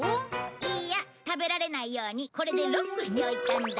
いいや食べられないようにこれでロックしておいたんだ。